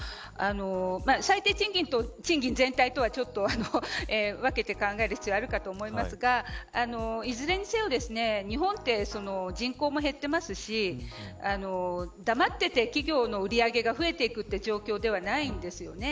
最低賃金と賃金全体とはちょっと分けて考える必要はあるかと思いますがいずれにせよ、日本って人口も減っていますし黙っていて企業の売り上げが増えていくという状況ではないんですよね。